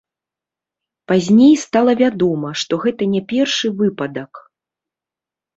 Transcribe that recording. Пазней стала вядома, што гэта не першы выпадак.